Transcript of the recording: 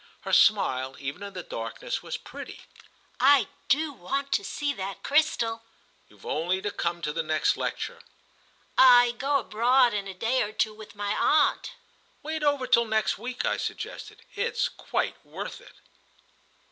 Her smile even in the darkness was pretty. "I do want to see that crystal!" "You've only to come to the next lecture." "I go abroad in a day or two with my aunt." "Wait over till next week," I suggested. "It's quite worth it."